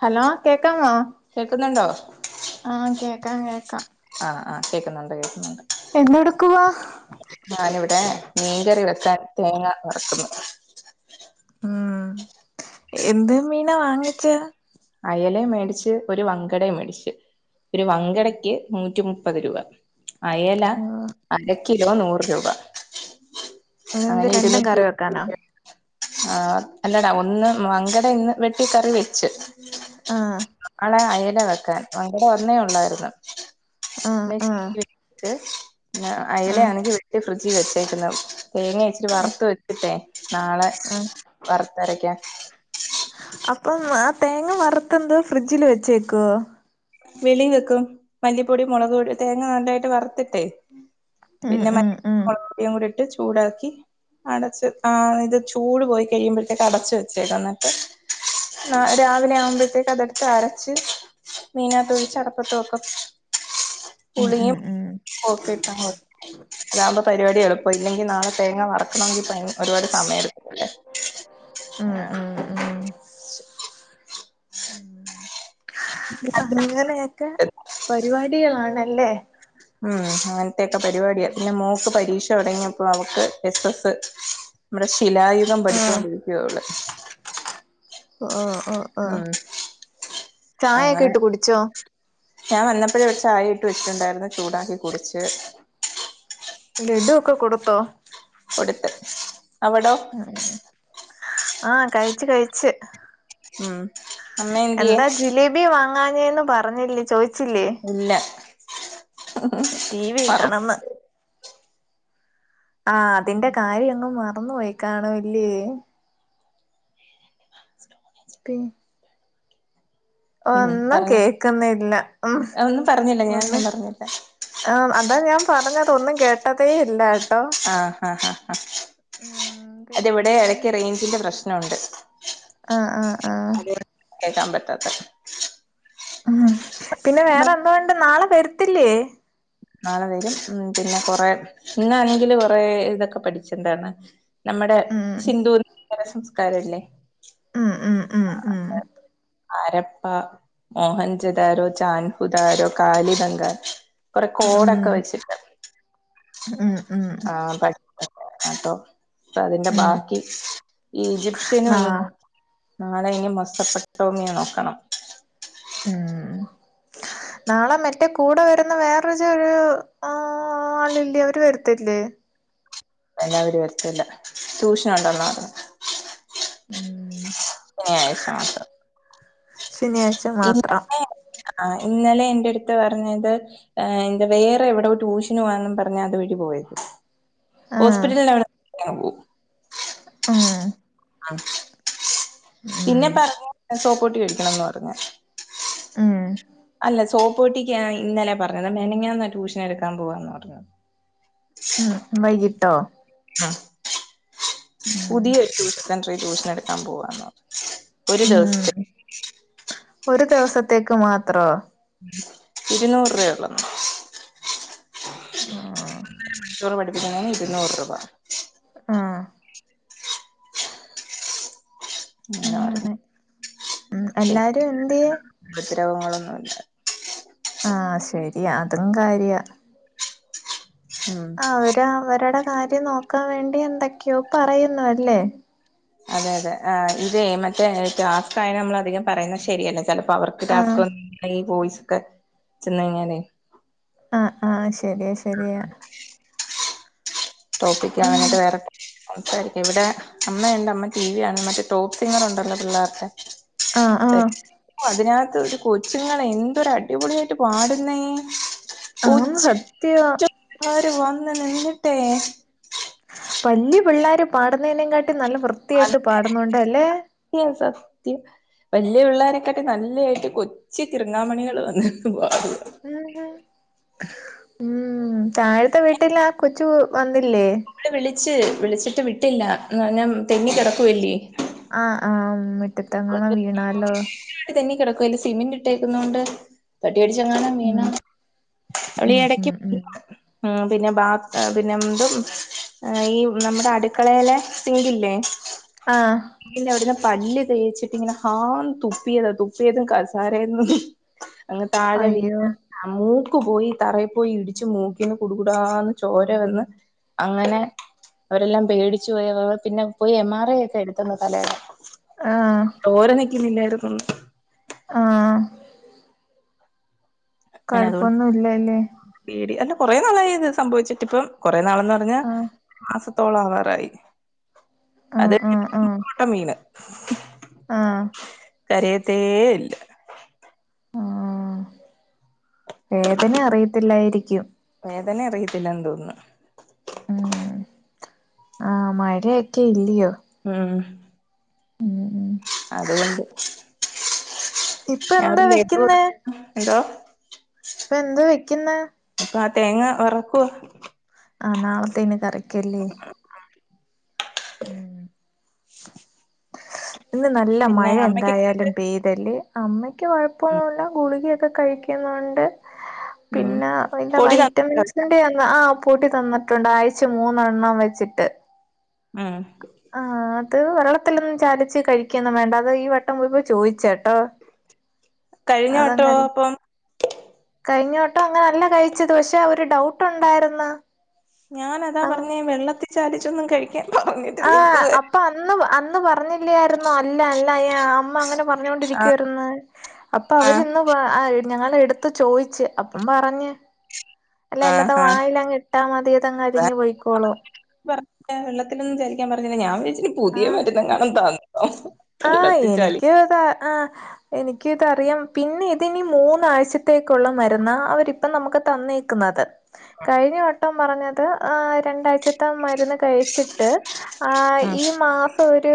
Hello കേക്കാമോ കേക്കുന്ന്ണ്ടോ ആഹ് കേക്കാം കേക്കാം ആഹ് അഹ് കേക്കുന്നുണ്ട് കേക്കുന്നുണ്ട് എന്തെടുക്കുവാ ഞാനിവിടെ മീങ്കറി വെക്കാൻ തേങ്ങ വറ്ക്കുന്നു ഉം എന്ത് മീനാവാങ്ങിചെ അയലേം മേടിച്ച് ഒരു വങ്കടെമ് മേടിച്ച് ഒരു വങ്കടയ്ക്ക് നൂറ്റി മുപ്പത് രൂപ അയല ഉം അരക്കിലോ നൂറ് രൂപ അതെന്ത് അങ്ങനെ രണ്ടും ഇരുന്നൂറ്റി കറി വെക്കാനോ [unintelligible] ആഹ് അല്ലടാ ഒന്ന് മങ്കട ഇന്ന് വെട്ടി കറി വെച്ച് ആഹ് ആഹ് അയല വെക്കാൻ മങ്കട ഒന്നേ ഉള്ളായിരുന്നു ആഹ് പിന്നെ ആഹ് ഈ ഒരു ട് ഞ അയല ആഹ് ആണെങ്കി വെട്ടി ഫ്രിഡ്ജിൽ വെച്ചേക്കുന്ന് തേങ്ങയിച്ചിരി ആഹ് വറുത്ത് വെച്ചിട്ടെ നാളെ ആഹ് വറുത്തരക്ക്യാം അപ്പം ആ തേങ്ങ വറുത്തെന്തോ ഫ്രിഡ്ജില് വെച്ചേക്കോ വെളിവെക്കും മല്ലിപ്പൊടി മുളക് പൊടി തേങ്ങന്നന്നായിട്ട് വറുത്തിട്ടേ ഉം പിന്നെ ഉം മറ്റ് ഉം പൊടിയും കൂടിട്ട് ചൂടാക്കി അടച്ച് ആഹ് ഇത് ചൂട് പോയി കഴിമ്പോഴത്തേക്ക് അടച്ച് വെച്ചേക്ക എന്നിട്ട് ന രാവിലെ ആവുമ്പോഴത്തേക്ക് അതടുത്ത് അരച്ച് മീനാ തൊഴച്ച്ടപ്പത്ത വക്കെ ഉം പുളുങ്ങി ഉം ഉം പോക്കിട്ടങ്ങോ താവുമ്പോ പരിപാടി എളുപ്പം ഇല്ലെങ്കിൽ നാളെ തേങ്ങ വറക്കണമെങ്കിൽ ഒരുപാട് സമയം എടുക്കല്ലേ ഉം ഉം ഉം [inaudible] [inaudible] [inaudible] ഇ ഒക്കെ ആ പരിപാടികളണല്ലേ ഉം അങ്ങനത്തെക്കെ പരിപാടിയ പിന്നെ മോക്ക് പരീക്ഷ തുടങ്ങിയപ്പോ അവക്ക് എസ് എസ് നമ്മടെ ശിലായുഗം ആഹ് പഠിച്ചുകൊണ്ടിരിക്കുകയ അവൾ [inaudible] ഉം ചായയൊക്കെ അങ്ങനെ ഇട്ട് കുടിച്ചോ ഞാൻ വന്നപ്പോഴേ ഇവിടെ ചായ ഇട്ട് വെച്ചിുണ്ടായിരുന്നു ചൂടാക്കി കുടിച്ച് ലഡു ഒക്കെ കൊടുത്തോ കൊടുത്ത് അവിടോ ആഹ് കഴിച് കഴിച്ചു ഉം അമ്മ എന്തിയേ എന്താ ജിലേബി വാങ്ങാനേന്ന് പറഞ്ഞില്ലേ ചോയിചില്ലേ ഇല്ല ടീവി പറ കാണുന്നു ആ അതിന്റെ കാര്യ അങ്ും മറന്നു പോയി കണുല്ലേ [inaudible] പി ഉം ഒന്നും പറഞ്ഞോ കേക്കുന്നല്ല ഉം ഒന്നും പറഞ്ഞില്ല ഒന്ന് ഞാനൊന്നും പറഞ്ഞില്ല ആ് അതാ ഞാൻ പറഞ്ഞതൊന്നും കേട്ടതേ ഇല്ല ആഹ് ആഹ് ആഹ് ഹാ ഉം അതവിടെ പിന്നെ ഇടക്ക റേഞ്ചിന്റെ പ്രശ്നുണ്ട് ആഹ് ആഹ് ആഹ് കേക്കാൻ പറ്റാത്ത ഉം പിന്നെ വേറെന്തോണ്ട് നാളെ വരത്തില്ലേ നാളെ വെരും ഉം പിന്നെ കൊറെ ഇന്നാണെങ്കില് കൊറെ ഇതൊക്കെ പഠിചണ്ടാണ് നമ്മുടെ ഉം സിധൂർ സംസ്കാരല്ലേ ഉം ഉം ഉം ആരപ്പ മോഹൻചദാരോ ജാൻഹുദാരോ കാലി ബംഗ കുറെ കോടൊക്കെ ഉം വെച്ചിട്ട് ഉം ഉം ആ പ കേട്ടോ അപ്പ അതിന്റെ ഉം ബാക്കി ഈജിപ്ഷ്യന നാ ഒന്നോ നാളെ ഇനി മൊശപ്പെട്ടമ്മിയ നോക്കണം ഉം നാളെ മറ്റേ കൂടെ വരുന്ന വേറൊരു ഒരു ആളില്ലേ അവര് വരുത്തില്ലേ ഇല്ല അവർ വരതില്ല ട്യൂഷന ഉണ്ടോന്ന പറഞ്ഞേ ഉം യിഷ മാത്രം ശനിയായി ഇന്നലെ ആ ഇന്നലെ എന്റെ അടുത്ത് പറഞ്ഞത് വേറെ എവിടോ റ്റുഷിനു വാനും പറഞ്ഞാ അത് വഴി പോയത് ആഹ് ഹോസ്പിറ്റലവിടെ പോ ഉം ആഹ് ഉം പിന്നെ പറഞ്ഞ് സോപ്പൊട്ടി വേടിക്കണന്ന് പറഞ്ഞ് ഉം അല്ല സോപ്പോട്ടിക്ക ഇന്നലെ പറഞ്ഞത് മെനഞ്ഞാന്നാ ട്യൂഷൻ എടുക്കാൻ പോവാന്ന് പറഞ്ഞത് ഉം വൈകിട്ടോ ആഹ് ഉം പുതിയ ഒരു ട്യൂഷൻ സെൻ്ററി ട്യൂഷൻ എടുക്കാൻ പോവാന്ന് പറഞ്ഞു ഒരു ഉം ദിവസത്തിന് ഒരു ദിവസത്തേക്ക് മാത്രോ ഇരുന്നൂറ് രൂപയെ ഒള്ളന്ന് [inaudible] ഒന്നര മണിക്കൂറ് പഠപ്പിക്കണെന് ഇരുന്നൂറ് രൂപ ആഹ് അങ്ങനെ ഉം എല്ലാരും എന്തിയെ? ഉപദ്രവങ്ങളൊന്നുല്ല ആഹ് ശരിയാ അതും കാര്യാ ഉം അവര് അവരുടെ കാര്യം നോക്കാൻ വേണ്ടി എന്തൊക്കെയോ പറയുന്നു അല്ലേ അതെ അതെ ആ ഇതേയ് മറ്റേ ടാസ്ക് ആയ നമ്മൾ അധികം പറയുന്നത് ശരിയല്ല ചെലപ്പോ അവർക്ക് ആഹ് [unintelligible] ഈ വോയിസ് ഒക്കെ ചെന്ന് കഴിഞ്ഞാലേ ആഹ് ആഹ് ശരിയാ ശരിയാ ടോപ്പിക്കാ ഉം അങ്ങിട്ട് വേറെ സംസാരിക്കും ഇവിടെ അമ്മയണ്ട് അമ്മ ടി വി കാണ്ന്ന് മറ്റേ ടോപ്പ് സിങ്ങറുണ്ടല്ലോ പിള്ളാര്ടെ ആഹ് ആഹ് ഓഹ് അതിനാത്ത് ഒരു കൊച്ചുങ്ങളെ എന്തൊരു അടിപൊളിയായിട്ട് പാടുന്നേ ആന്നു സത്യവാ അവര് വന്ന് നിന്നിട്ടേ വല്യ പിള്ളേര് പാടുന്നതിനേക്കാട്ടി നല്ല അതെ വൃത്തിയായിട്ട് പാടുന്നുണ്ടല്ലേ [unintelligible] സത്യം വല്യ പിള്ളോരെക്കാട്ടി നല്ലായിട്ട് കൊച്ചു കിറങ്ങാമണികള് വന്ന് പാടുവാ ഉം താഴത്തെ വീട്ടിലെ ആ കൊച്ചു വന്നില്ലേ വിളിച്ച് വിളിച്ചിട്ട് വിട്ടില്ല എന്ന് പറഞ്ഞാ തെന്നി കെടക്കുവല്ലേ ആഹ് ആഹ് മിട്ട് തെന്നി കെടക്കുവല്ലേ സിമെന്റ് ഇട്ടകൊണ്ട് പട്ടി കടിച്ചെങ്ങാനും ഉം വീണാ അവളീ ഉം ഉം എടക്ക് ഉം ഉം പിന്നെ ബാത് ആഹ് പിന്നെ ഇതും ആഹ് ഈ നമ്മടെ അടുക്കളേലെ സിങ്കില്ലേ ആഹ് [unintelligible] അവടന്ന് പല്ല് തേച്ചിട്ട് ഇങ്ങനെ ഹാന്ന് തുപ്പിയതാ തുപ്പിയതും കസാരേന്ന് അങ് താഴെ വീ അയ്യോ [unintelligible] ആഹ് മൂക്ക് പോയി തറയി പോയി ഇടിച്ച് മൂക്കിന്ന് കുടുകൂടാന്ന് ചോര വന്ന് അങ്ങനെ അവരെല്ലാം പേടിച്ചു പോയി [unintelligible] പിന്നെ പോയി എം ആർ ഐ ഒക്കെ എടുത്തെന്ന് തലേടെ ആഹ് ചോര നിക്കുന്നില്ലായിരുന്നെന്ന് ആഹ് അങ്ങനെ അതുകൊണ്ട് കൊഴപ്പൊന്നും ഇല്ലല്ലേ പേടി അല്ല കൊറെ നാളായി അത് സംഭവിച്ചിട്ട് ഇപ്പം കൊറെ നാളെന്ന് പറഞ്ഞാ ആഹ് ഒരു മാസത്തോളം ആവാറായി ആഹ് അത് ആഹ് ആഹ് [unintelligible] വീണ് ആഹ് കരയത്തെയില്ല ആഹ് വേദന അറിയത്തില്ലായിരിക്കും വേദന അറിയത്തില്ലാന്ന് തോനുന്നു ഉം ആഹ് മഴക്കെ ഇല്ലിയോ ഉം ഉം അതുകൊണ്ട് ഇപ്പൊ എന്താ വെക്കുന്നേ [unintelligible] എന്തോ പ്പെ എന്ത് വെക്കുന്നെ കാ തേങ്ങ വറക്കുവ ആഹ് നാളത്തേന് കറിക്കല്ലേ ഇന്ന് നല്ല പിന്നെ മഴ അമ്മക്ക് എങ്ങനെണ്ട് എന്തായാലും പെയ്തല്ലെ അമ്മയ്ക്ക് കൊ ഴപ്പൊന്നുല്ല ഗുളിക ഒക്കെ കഴിക്കുന്നുണ്ട് ഉം പിന്നെ അയ്‌ന്റെ പൊടി തന്ന വൈറ്റമിൻസിന്റെ ആഹ് കൂട്ടി തന്നിട്ടുണ്ട് ആഴ്ച്ച മൂന്നെണ്ണം വെച്ചിട്ട് ഉം ആഹ് അത് വെള്ളത്തിലൊന്നും ചാലിച്ച് കഴിക്കൊന്നും വേണ്ട. അത് ഈ വട്ടം പോയപ്പൊ ചോയ്ച്ച ട്ടോ കഴിഞ്ഞ വട്ടോ അപ്പം കഴിഞ്ഞ വെട്ടം അങ്ങനല്ല കഴിച്ചത് പക്ഷെ ഒരു ഡൗട്ട് ഉണ്ടായിര്ന്ന് ഞാനതാ പർഞ്ഞെ ചാലിച്ചൊന്നും കഴിക്കാൻ ആഹ് ഇതുവരെ അപ്പൊ അന്ന് അന്ന് പറഞ്ഞില്ലായിര്ന്നോ അല്ല അല്ല അമ്മ അങ്ങനെ പർ ആഹ് ഞ്ഞോണ്ടിരിക്കുവായ്ര്ന്ന് അപ്പൊ ആഹ് അവരിന്ന് ഞങ്ങള എടു ത്ത് ചോയ്ച്ച് അപ്പം പറഞ്ഞ് അല്ല അല്ല ആഹ് അത് ആഹ് വായിലങ്ങ് ഇട്ടാ മതിയത് അങ്ങ് അതാ അലിഞ്ഞ് പൊയ്ക്കോളും. പറഞ്ഞില്ല വെള്ളത്തിലൊന്നും ചാലിക്കാൻ പറഞ്ഞില്ല ഞാൻ വിചാര്ച്ചു പുതിയ ആഹ് മരുന്നെങ്ങാണും തന്നോ ആഹ് വെള്ളത്തി ചാലി എനിക്ക് താ ആഹ് എനിക്ക് ഇതറിയാം പിന്നെ ഇതിനി മൂന്നാഴ്ചത്തേക്കുള്ള മരുന്നാ അവരിപ്പം നമുക്ക് തന്നേക്കുന്നത്. കഴിഞ്ഞ വട്ടം പറഞ്ഞത് ആ രണ്ടാഴ്ചത്തെ മരുന്ന് കഴിച്ചിട്ട് ആ ഉം ഈ മാസം ഒരു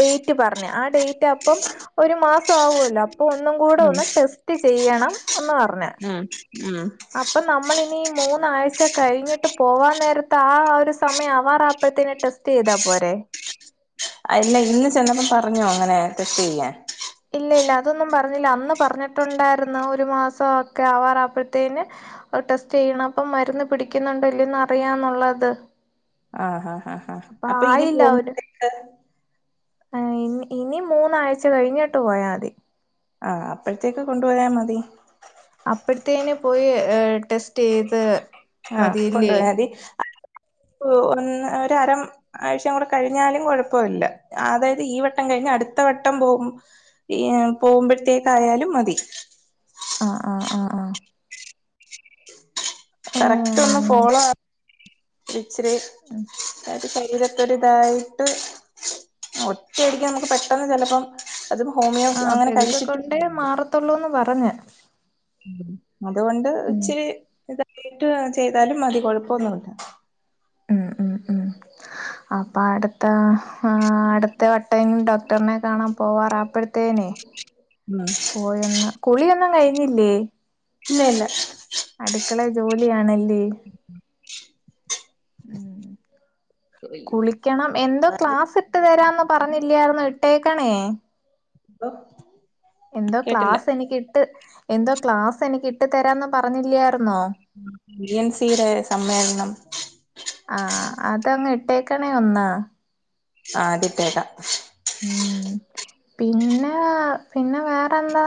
ഡേറ്റ് പറഞ്ഞ് ആ ഡേറ്റ് അപ്പം ഒരു മാസം ആവൊല്ലോ അപ്പം ഒന്നുകൂടെ ഉം ഒന്ന് ടെസ്റ്റ്‌ സ്റ്റ് ചെയ്യണം എന്ന് പർഞ്ഞ് ആഹ് ഉം അപ്പം നമ്മളിനി മൂന്നാഴ്ച കഴിഞ്ഞിട്ട് പോവാൻ നേര്ത്താ ആ ഒരു സമയം ആവാറപ്പഴ്ത്തേന് ടെസ് സ്റ്റെയ്താ പോരെ. അയ്ന് ഇന്ന് ചെന്നപ്പോ പറഞ്ഞോ ങ്ങനെ ടെസ്റ്റ് ചെയ്യാൻ ഇല്ല ഇല്ല അതൊന്നും പർഞ്ഞില്ല. അന്ന് പറഞ്ഞിട്ടുണ്ടായിര്ന്നു ഒരു മാസം ഒക്കെ ആവാറാപ്പഴ്ത്തേന് ടെസ്റ്റ് ചെയ്യണം അപ്പ മരുന്ന് പിടിക്കുന്നുണ്ടോ ഇല്ലെന്നോ അറിയാന്നുള്ളത്. ആഹ് ഹാ ഹാ അപ്പൊ ഇനി പോ ആഹ് ഇന് ഇനി മൂന്നാഴ്ച കഴിഞ്ഞിട്ട് പോയാതി. ആഹ് അപ്പഴ്ത്തേക്ക് കൊണ്ടു പോയാ മതി. അപ്പഴ്ത്തേന് പോയി ടെസ്റ്റെയ്ത് ആഹ് കൊണ്ടോയാതി ഒന്ന് ഒരു അര ആഴ്ച കൂടെ കഴിഞ്ഞാലും കൊഴപ്പം ഇല്ല. അതായത് ഈ വട്ടം കഴിഞ്ഞ് അടുത്ത വട്ടം പോകും ഈ പോവ്മ്പഴ്ത്തേക്കായാലും മതി. ആഹ് ആഹ് ആഹ് ആഹ് കറക്റ്റ് ഉം ഒന്ന് അങ്ങനെ ഫോളോ [unintelligible] ഇതൊന്തൊരുതായിട്ട് ഒറ്റയടിക്ക് നമുക്ക് പെട്ടെന്ന് ചെലപ്പം അത് ഹോമിയോ അങ്ങനെ കഴിച്ചിട്ട് ത്തുള്ളൂന്ന് പറഞ്ഞ് അതുകൊണ്ട് ഉം ഇച്ച്രി ഇതായിട്ട് ചെയ്താലും മതി കൊഴപ്പൊന്നും ഇല്ല. ഉം ഉം ഉം അപ്പം അടുത്ത അടുത്ത വട്ടമെങ്കും ഡോക്ടറിനെ കാണാൻ പോവാറാപ്പഴത്തേനെ ഉം പോയൊന്ന് കുളിയൊന്നും കഴിഞ്ഞില്ലേ ഇല്ല ഇല്ല അടുക്കളെ ജോലിയാണല്ലേ ഉം അയ്യോ കുളിക്കണം എന്തോ ക്ലാസിട്ടു തരാമെന്ന് പറഞ്ഞില്ലായിരുന്നോ ഇട്ടേക്കണേ ലോ എന്തോ ക്ലാസ് എനിക്ക് ഇട്ട് എന്തോ ക്ലാസ് എനിക്കിട്ടു തരാംന്ന് പറഞ്ഞില്ല്യാർന്നോ ബി എൻ സീടെ സമ്മേളനം ആ അതങ്ങ് ഇട്ടേക്കണേ ഒന്ന് ആ അതിട്ടേക്കാം ഉം പിന്നെ പിന്നെ വേറെന്താ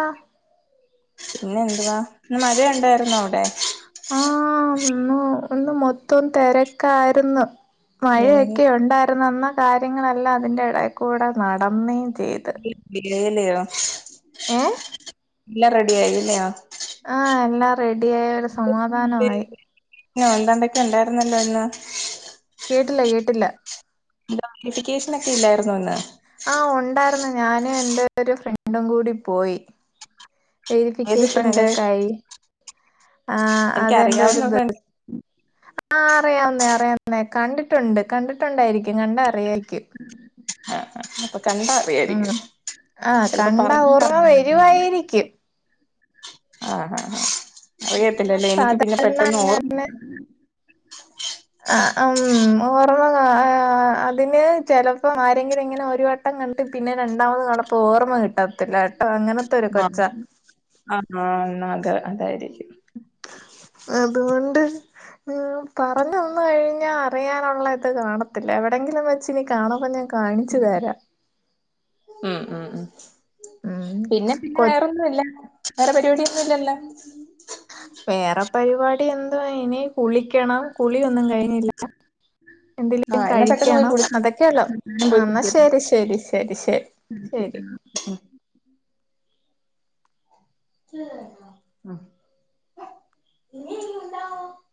പിന്നെ എന്തുവാ ഇന്ന് മഴയൊണ്ടായിരുന്നോ അവിടെ ആ ഇന്ന് ഇന്നുമൊത്തം തെരക്കാരുന്നു മഴയൊക്കെ ഒണ്ടാർന്നു എന്നാ കാര്യങ്ങളെല്ലാം അതിന്റെ എടേക്കൂടെ നടന്നേം ചെയ്ത് ആയില്ലയോ ഏഹ് എല്ലാം റെഡി ആയില്ലയോ ആ എല്ലാം റെഡിയായൊര് സമാധാനമായി പിന്നെന്താണ്ടൊക്കെ ഉണ്ടായിരുന്നല്ലോ ഇന്ന് കേട്ടില്ല കേട്ടില്ല നോട്ടിഫിക്കേഷനൊക്കെ ഇല്ലായിരുന്നോ ഇന്ന് ആ ഒണ്ടാരുന്നു ഞാനുംഎന്റെ ഒരുഫ്രണ്ടും കൂടിപോയി ഏത് ഫ്രണ്ട് വെരിഫിക്കേഷനൊക്കെ കഴി ആ അതെന്റെ ഒരു എനിക്കറിയാവുന്ന ബ്രദ ഫ്രണ്ട് ആ അറിയാവുന്നയാ അറിയാന്നേ കണ്ടിട്ടുണ്ട് കണ്ടിട്ടുണ്ടായിരിക്കും കണ്ടാ അറിയാരിക്കും ആ അപ്പൊ കണ്ടാ ഉം അറിയാരിക്കും ആഹ് ചെലപ്പോ കണ്ടാ പറഞ്ഞാ ഓർമ്മ പറഞ വരുവായിരിക്കും ആഹ് ഹാ ഹാ അങ്ങനെ അറിയത്തില്ലാല്ലേ എനിക്ക് പിന്നെ സാധാരണ പെട്ടെന്ന് അങ്ങനെ ഓർമ്മ ആ അം ഓർമ്മ കാ പിന്നെ ചെലപ്പം ആരെങ്കിലും ഇങ്ങനെ ഒരുവട്ടം കണ്ടു പിന്നെ രണ്ടാമതുകണ്ടപ്പോ ഓർമ്മ കിട്ടത്തില്ലാട്ടോ അങ്ങനെ മ മർന്നോണത് അതായിരിക്കും അതുകൊണ്ട് നിങ്ങള് പറഞ്ഞൊന്നു കഴിഞ്ഞാ അറിയാനുള്ള ഇത് കാണത്തില്ലാ എവിടെങ്കിലും വെച്ചിനി കാണുമ്പോ ഞാൻ കാണിച്ചു തരാം ഉം ഉം ഉം ഉം പിന്നെ പിന്നെ കൊ വേറൊന്നുവില്ലാ വേറെ പരിപാടിയൊന്നും ഇല്ലല്ലോ വേറെ പരിപാടി എന്തുവാ ഇനി കുളിക്കണം കുളിയൊന്നും കഴിഞ്ഞില്ലാ എന്തേലും ആഹ് എന്നാ പെട്ടെന്ന് പോയി കഴിക്കണം കുളിക്ക് അതൊക്കെയുള്ളു ആ പോയി എന്നാ കുളിക്കട്ടെ ശെരി ശെരി ശെരി ശെരി ശെരി [unintelligible]